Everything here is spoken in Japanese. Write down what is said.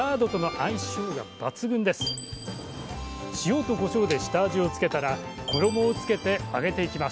塩とこしょうで下味をつけたら衣をつけて揚げていきます